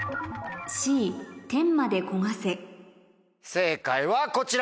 正解はこちら。